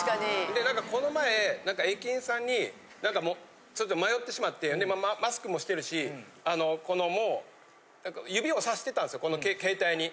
なんかこの前、駅員さんに、迷ってしまって、マスクもしてるし、この指をさしてたんですよ、この携帯に。